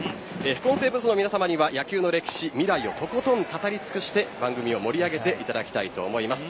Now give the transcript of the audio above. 副音声ブースの皆さまには野球の歴史、未来をとことん語り尽くして番組を盛り上げていただきたいと思います。